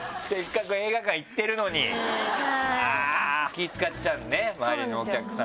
気使っちゃうのね周りのお客さんに。